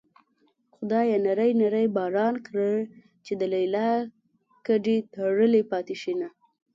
خدايه نری نری باران کړې چې د ليلا ګډې تړلې پاتې شينه